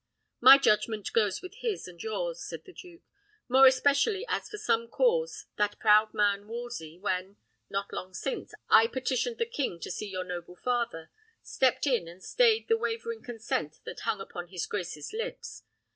"My judgment goes with his and yours," said the duke, "more especially as for some cause that proud man Wolsey, when, not long since, I petitioned the king to see your noble father, stepped in and staid the wavering consent that hung upon his grace's lips.